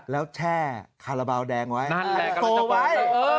แล้วแช่คาราบาลแดงไว้